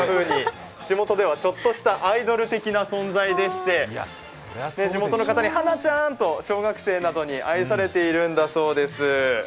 地元ではちょっとしたアイドル的な存在でして地元の方に花ちゃんと小学生に愛されているそうなんです。